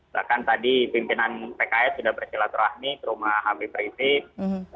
bahkan tadi pimpinan pks sudah bersilaturahmi ke rumah habib rizik